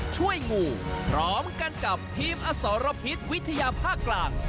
งูพร้อมกันกับทีมอสรพิษวิทยาภาคกลาง